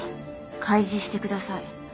開示してください。